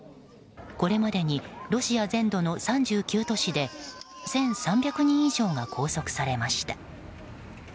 これまでにロシア全土の３９都市で１３００人以上が拘束されました。